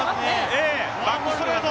バックストレート。